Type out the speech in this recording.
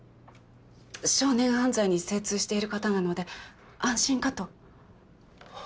少年犯罪に精通している方なので安心かと。